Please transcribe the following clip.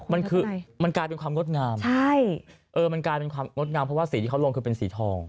มันคือมันกลายเป็นความงดงามใช่เออมันกลายเป็นความงดงามเพราะว่าสีที่เขาลงคือเป็นสีทอง